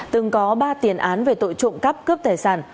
từng có ba tiền án về tội trộm cắp cướp tài sản